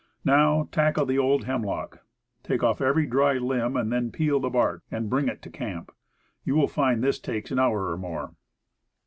Now, tackle the old hemlock; take off every dry limb, and then peel the bark and bring it to camp. You will find this takes an hour or more.